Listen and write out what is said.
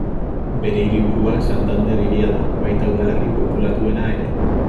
Bere hiriburua Santander hiria da, baita udalerri populatuena ere.